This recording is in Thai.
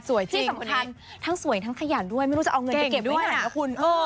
ที่สำคัญทั้งสวยทั้งขยันด้วยไม่รู้จะเอาเงินไปเก็บไว้ไหนนะคุณ